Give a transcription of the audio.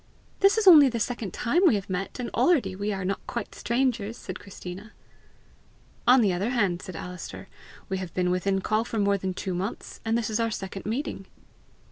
"This is only the second time we have met, and already we are not quite strangers!" said Christina. "On the other hand," said Alister, "we have been within call for more than two months, and this is our second meeting!"